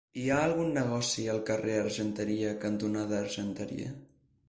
Hi ha algun negoci al carrer Argenteria cantonada Argenteria?